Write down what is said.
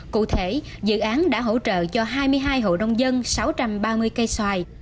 cụ thể dự án đã hỗ trợ cho hai mươi hai hộ nông dân sáu trăm ba mươi cây xoài